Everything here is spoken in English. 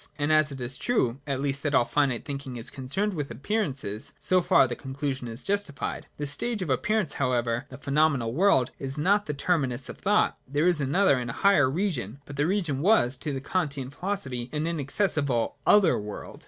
And as it is true at least that all finite thinking is concerned with appearances, so far the conclusion is justified. This stage of appearance' however — the pheno menal world — is not the terminus of thought : there is another and a higher region. But that region was to the Kantian philosophy an inaccessible ' other world.'